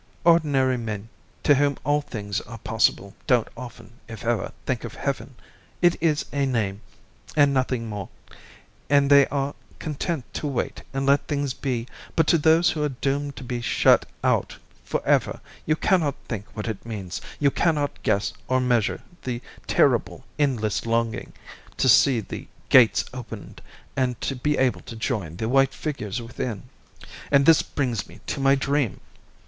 Ordinary men, to whom all things are possible, don't often, if ever, think of Heaven. It is a name, and nothing more, and they are content to wait and let things be, but to those who are doomed to be shut out for ever you cannot think what it means, you cannot guess or measure the terrible endless longing to see the gates opened, and to be able to join the white figures within. "And this brings me to my dream.